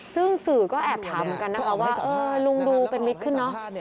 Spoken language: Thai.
ซึ่งสื่อก็แอบถามเหมือนกันนะคะว่าลุงดูเป็นมิตรขึ้นเนอะ